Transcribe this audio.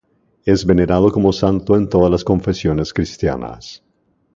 Es venerado como santo en todas las confesiones cristianas.